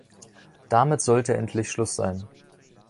Damit sollte endlich Schluss sein.